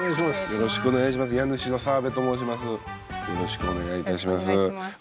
よろしくお願いします。